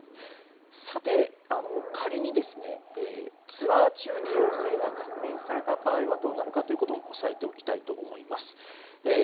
さて、仮にツアー中に陽性が確認された場合はどうなるかということも押さえておきたいと思います。